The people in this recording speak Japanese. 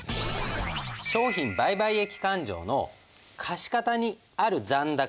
商品売買益勘定の貸方にある残高